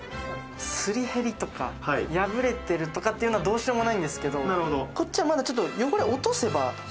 すり減りとか破れてるとかっていうのはどうしようもないんですけどこっちはまだちょっと。